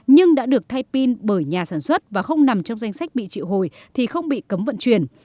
nhưng đã được thay pin bởi nhà sản xuất và không nằm trong danh sách bị triệu hồi thì không bị cấm vận chuyển